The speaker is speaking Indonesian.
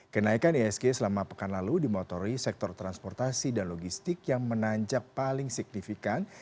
kenaikan isg selama pekan lalu dimotori sektor transportasi dan logistik yang menanjak paling signifikan